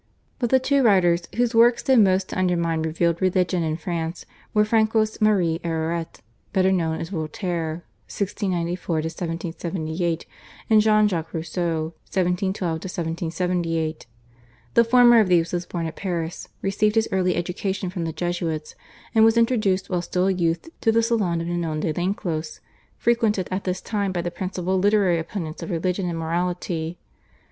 But the two writers whose works did most to undermine revealed religion in France were Francois Marie Arouet, better known as Voltaire (1694 1778), and Jean Jacques Rousseau (1712 1778). The former of these was born at Paris, received his early education from the Jesuits, and was introduced while still a youth to the salon of Ninon de Lenclos, frequented at this time by the principal literary opponents of religion and morality.